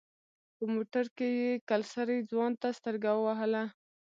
په موټر کې يې کلسري ځوان ته سترګه ووهله.